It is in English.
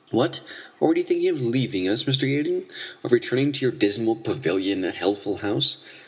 "What! Already thinking of leaving us, Mr. Gaydon, of returning to your dismal pavilion at Healthful House?